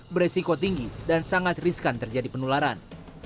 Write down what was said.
beresiko tinggi dan sangat riskan terjadi penularan